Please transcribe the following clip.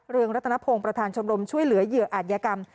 เรืองรัตนพงศ์ประธานชมรมช่วยเหลือเหยื่ออาจยกรรม